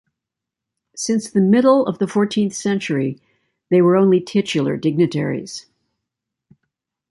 Since the middle of the fourteenth century they were only titular dignitaries.